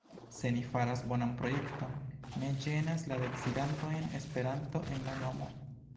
Se ni faras bonan projekton, ne ĝenas la decidantojn Esperanto en la nomo.